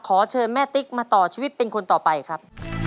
ขอเชิญแม่ติ๊กมาต่อชีวิตเป็นคนต่อไปครับ